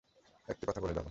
একটি কথা বলে যাব।